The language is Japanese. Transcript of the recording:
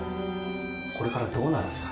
・これからどうなるんすかね？